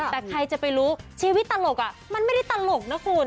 แต่ใครจะไปรู้ชีวิตตลกมันไม่ได้ตลกนะคุณ